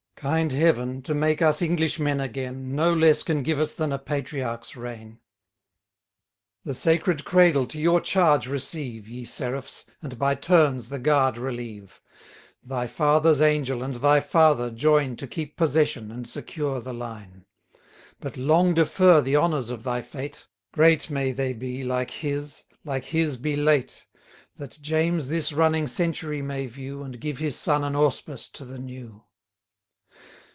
40 Kind Heaven, to make us Englishmen again, No less can give us than a patriarch's reign. The sacred cradle to your charge receive, Ye seraphs, and by turns the guard relieve; Thy father's angel, and thy father join, To keep possession, and secure the line; But long defer the honours of thy fate: Great may they be like his, like his be late; That James this running century may view, And give his son an auspice to the new.